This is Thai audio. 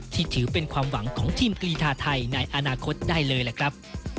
ที่ถือเป็นความหวังของทีมกรีธาไทยในอนาคตได้เลยล่ะครับ